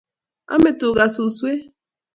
Ame tuka suswek